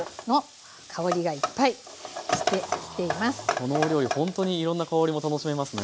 このお料理ほんとにいろんな香りも楽しめますね。